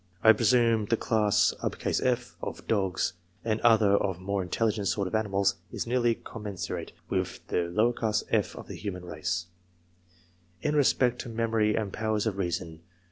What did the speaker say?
I presume the class F of dogs, and others of the more intelligent sort of animals, is nearly commensurate with the f of the human race, in respect to memory and powers of reason.